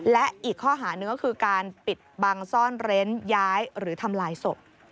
และอีกข้อหาหนึ่งก็คือการปิดบังซ่อนเร้นย้ายหรือทำลายศพ